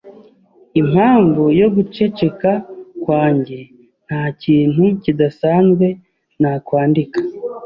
Impamvu yo guceceka kwanjye ntakintu kidasanzwe nakwandika.